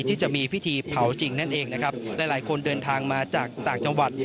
ที่จะมีพิธีเผาจริงนั่นเองนะครับหลายหลายคนเดินทางมาจากต่างจังหวัด